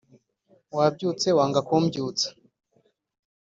Wabyutse wanga kumbyutsa